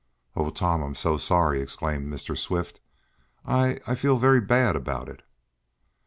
"Oh, Tom, I'm so sorry!" exclaimed Mr. Swift "I I feel very bad about it!"